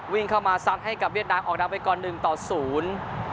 วิ่งเข้ามาสั้นให้กับวิชด่างออกดับไปก่อนหนึ่งต่อศูนย์